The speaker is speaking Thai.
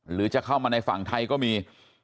หรือจะเข้ามาในฝั่งไทยก็มี